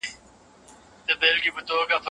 هر انسان دا جوړښت لري.